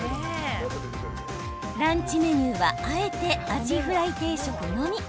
ランチメニューはあえてアジフライ定食のみ。